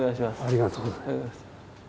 ありがとうございます。